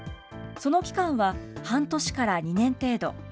その期間は、半年から２年程度。